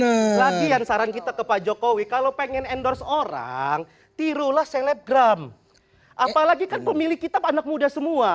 apalagi yang saran kita ke pak jokowi kalau pengen endorse orang tirulah selebgram apalagi kan pemilik kitab anak muda semua